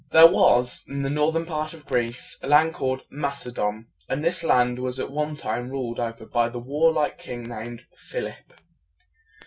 There was in the northern part of Greece a land called Mac´e don; and this land was at one time ruled over by a war like king named Philip.